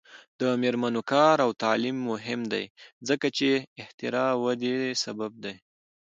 د میرمنو کار او تعلیم مهم دی ځکه چې اختراع ودې سبب دی.